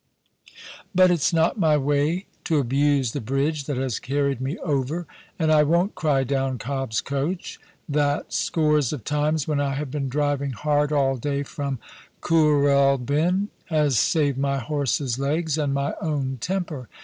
But it's not my way to abuse the bridge that has carried me over, and I won't cry down Cobb's coach, that, scores of times when I have been driving hard all day from KoQralbyn, has saved my horses' legs and my own temper.